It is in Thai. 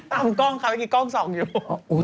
กล้องค่ะเมื่อกี้กล้องส่องอยู่